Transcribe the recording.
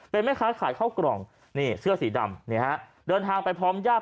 เป็นแม่ค้าขายข้าวกล่องเสื้อสีดำเดินทางไปพร้อมยาก